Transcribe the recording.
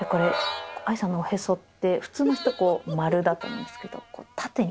愛さんのおへそって普通の人丸だと思うんですけど。